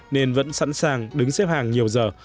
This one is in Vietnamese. nên vẫn sẵn sàng đứng xếp hàng nhiều giờ